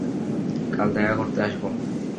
কাল দেখা করতে আসব।